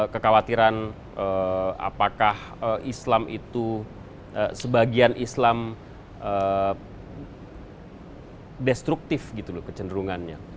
kekhawatiran apakah islam itu sebagian islam destruktif gitu loh kecenderungannya